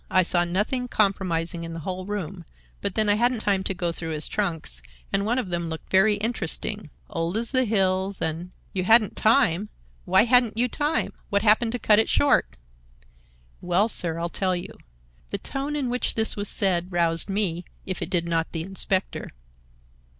I saw nothing compromising in the whole room, but then I hadn't time to go through his trunks, and one of them looked very interesting,—old as the hills and—" "You hadn't time? Why hadn't you time? What happened to cut it short?" "Well, sir, I'll tell you." The tone in which this was said roused me if it did not the inspector.